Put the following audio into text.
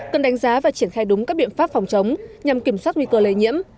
cần đánh giá và triển khai đúng các biện pháp phòng chống nhằm kiểm soát nguy cơ lây nhiễm